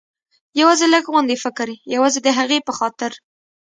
یوازې لږ غوندې فکر، یوازې د هغې په خاطر.